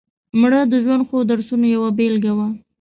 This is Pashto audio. مړه د ژوند ښو درسونو یوه بېلګه وه